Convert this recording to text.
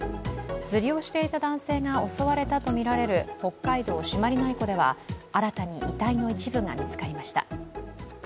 釣りをしていた男性が襲われたとみられる北海道朱鞠内湖では新たに遺体の一部が見つかりました。